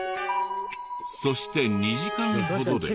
そして２時間ほどで。